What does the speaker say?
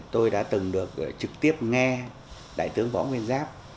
tôi đã từng được trực tiếp nghe đại tướng võ nguyên giáp